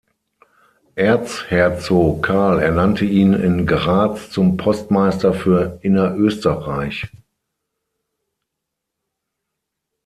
Erzherzog Karl ernannte ihn in Graz zum Postmeister für Innerösterreich.